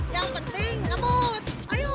yang penting lembut ayo